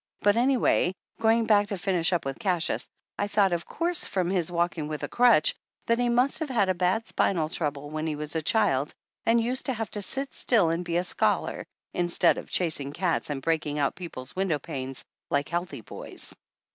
But, anyway, going back to finish up with Cassius, I thought of course, from his walking with a crutch, that he must have had a bad spinal trouble when he was a child and used to have to sit still and be a scholar, instead of chasing cats and breaking out people's window panes like healthy boys.